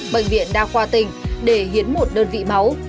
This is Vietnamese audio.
bệnh viện đa khoa tỉnh để hiến một đơn vị máu